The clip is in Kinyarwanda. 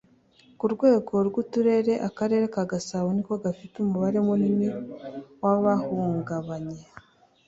ku rwego rw uturere akarere ka gasabo niko gafite umubare munini w abahungabanye